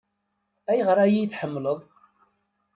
Ayɣer ay iyi-tḥemmleḍ?